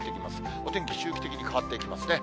お天気、周期的に変わってきますね。